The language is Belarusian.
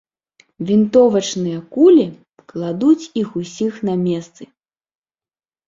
Вінтовачныя кулі кладуць іх усіх на месцы.